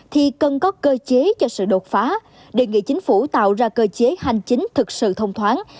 thì cần có cơ chế cho sự đột phá đề nghị chính phủ tạo ra cơ chế hành chính thực sự thông thoáng